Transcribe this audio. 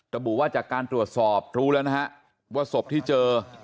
ระบุว่าจากการตรวจสอบรู้แล้วนะฮะว่าศพที่เจอ